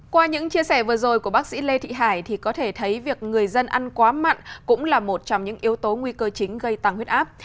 qua những chia sẻ vừa rồi của bác sĩ lê thị hải thì có thể thấy việc người dân ăn quá mặn cũng là một trong những yếu tố nguy cơ chính gây tăng huyết áp